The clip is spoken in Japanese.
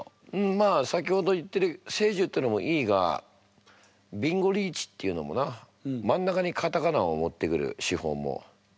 まあ先ほど言ってる「聖樹」っていうのもいいがビンゴリーチっていうのもなまんなかにカタカナを持ってくる手法も。